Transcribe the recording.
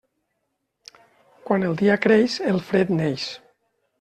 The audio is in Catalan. Quan el dia creix, el fred neix.